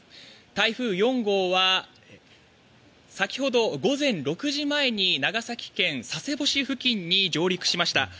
台風４号は先ほど、午前６時前に長崎県佐世保市付近に上陸しました。